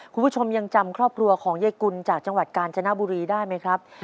คุณผู้ชมยังจำครอบครัวของยายกุลจากจังหวัดกาญจนบุรีได้ไหมครับ